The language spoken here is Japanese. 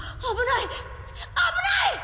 危ない！！